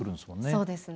そうですね。